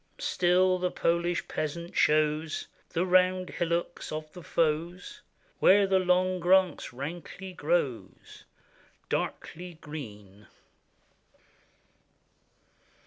Still the Polish peasant shows The round hillocks of the foes, Where the long grass rankly grows. Darkly green.